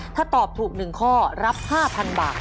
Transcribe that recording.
ถ้าตอบถูก๑ข้อรับ๕๐๐๐บาท